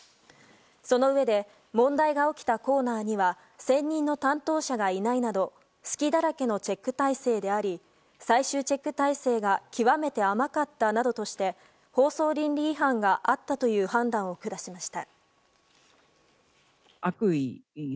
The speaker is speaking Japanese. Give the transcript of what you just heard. そのうえで問題が起きたコーナーには専任の担当者がいないなど隙だらけのチェック体制であり最終チェック体制が極めて甘かったなどとして放送倫理違反があったという判断を下しました。